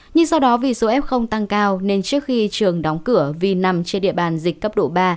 nhưng do đó vì số f tăng cao nên trước khi trường đóng cửa vì nằm trên địa bàn dịch cấp độ ba